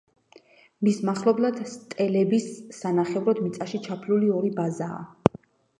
მის მახლობლად სტელების სანახევროდ მიწაში ჩაფლული ორი ბაზაა.